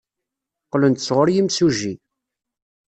Qqlen-d sɣur yimsujji.